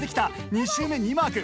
２周目２マーク